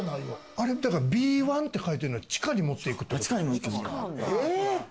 Ｂ１って書いてるのは地下に持っていくってこと？